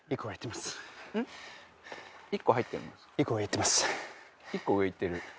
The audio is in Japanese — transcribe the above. １個上いってる。